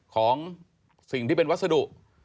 ของสิ่งที่เป็นวัสดุ